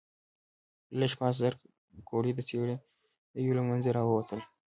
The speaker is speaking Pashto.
لږ پاس زرکوړي د څېړيو له منځه راووتل.